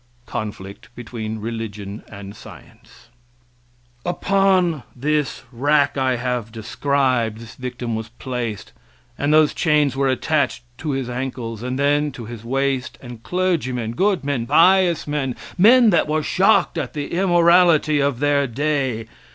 Conflict between Religion and Science] Upon this rack I have described, this victim was placed, and those chains were attached to his ankles and then to his waist, and clergymen good men! pious men! men that were shocked at the immorality of their day!